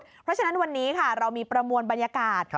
เพราะฉะนั้นวันนี้ค่ะเรามีประมวลบรรยากาศ